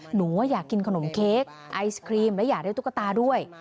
หนูว่าอยากกินขนมเค้กไอศครีมและอยากได้ตุ๊กตาด้วย